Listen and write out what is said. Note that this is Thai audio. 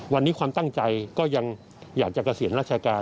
วันนี้ความตั้งใจก็ยังอยากจะเกษียณราชการ